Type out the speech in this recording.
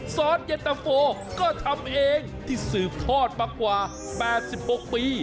ซอสเย็นตะโฟก็ทำเองที่สืบทอดมากว่า๘๖ปี